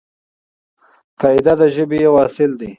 قاعده د ژبې یو اصل دئ.